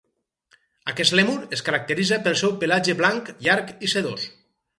Aquest lèmur es caracteritza pel seu pelatge blanc, llarg i sedós.